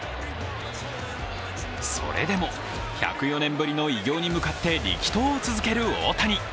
それでも１０４年ぶりの偉業に向かって力投を続ける大谷。